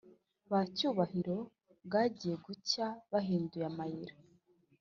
Ba cyubahiro bwagiye gucya bahinduye amayira